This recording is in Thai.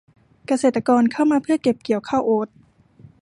เกษตรกรเข้ามาเพื่อเก็บเกี่ยวข้าวโอ้ต